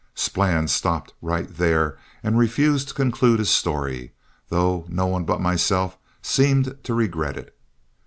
Splann stopped right there and refused to conclude his story, though no one but myself seemed to regret it.